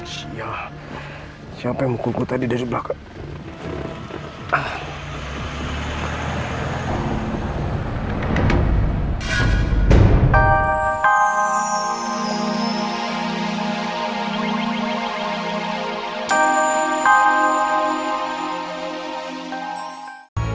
sial siap memukul kota di desa belakang